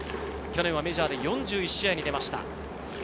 去年はメジャーで４１試合に出ました。